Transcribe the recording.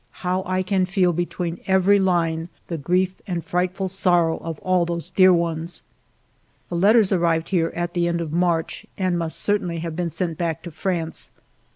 How I can feel between every line the grief and frightful sorrow of all those dear ones ! ALFRED DREYFUS 139 The letters arrived here at the end of March, and must certainly have been sent back to France.